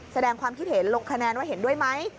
แสดงความคิดเห็นลงคะแนนว่าเห็นด้วยไหม